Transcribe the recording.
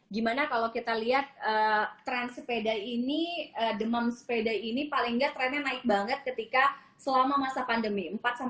gimana kalau kita lihat tren sepeda ini demam sepeda ini paling nggak trennya naik banget ketika selama masa pandemi